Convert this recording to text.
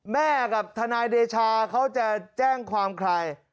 แม่กับทนายเดชาเขาจะแจ้งความใคร